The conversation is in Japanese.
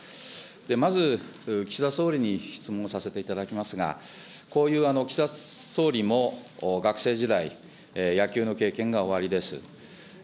まず岸田総理に質問させていただきますが、こういう岸田総理も学生時代、野球の経験がおありです。